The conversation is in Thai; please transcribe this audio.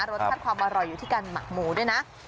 รสชาติความอร่อยอยู่ที่การหมักหมูด้วยนะ